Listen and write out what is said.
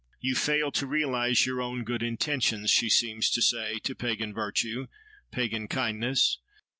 "You fail to realise your own good intentions," she seems to say, to pagan virtue, pagan kindness.